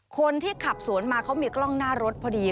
คนที่ขับสวนมาเขามีกล้องหน้ารถพอดี